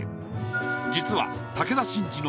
実は。